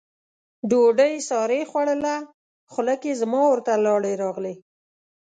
ډوډۍ سارې خوړله، خوله کې زما ورته لاړې راغلې.